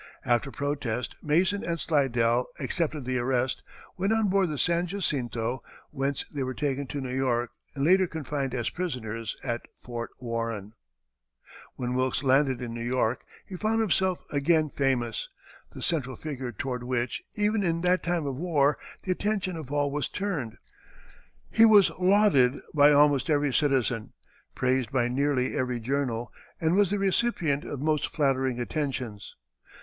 After protest, Mason and Slidell accepted the arrest, went on board the San Jacinto, whence they were taken to New York and later confined as prisoners at Fort Warren. [Illustration: In an Ice Field.] When Wilkes landed in New York he found himself again famous, the central figure toward which, even in that time of war, the attention of all was turned. He was lauded by almost every citizen, praised by nearly every journal, and was the recipient of most flattering attentions.